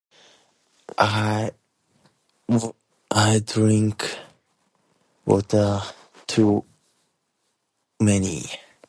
I... I drink water, too many.